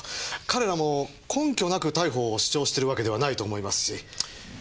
彼らも根拠なく逮捕を主張してるわけではないと思いますし。